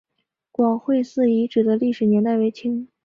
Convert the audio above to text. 广惠寺遗址的历史年代为清。